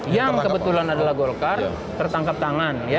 yang kebetulan adalah golkar tertangkap tangan